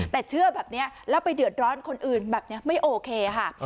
แต่เชื่อแบบนี้แล้วไปเดือดร้อนคนอื่นแบบนี้ไม่โอเคค่ะ